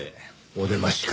お出ましか。